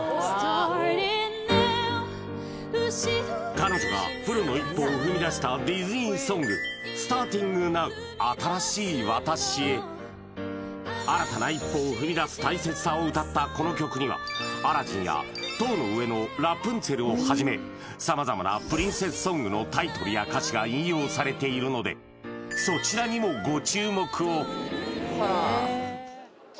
彼女がプロの一歩を踏み出したディズニーソング「ＳｔａｒｔｉｎｇＮｏｗ新しい私へ」を歌ったこの曲には「アラジン」や「塔の上のラプンツェル」をはじめ様々なプリンセスソングのタイトルや歌詞が引用されているのでそちらにもご注目を！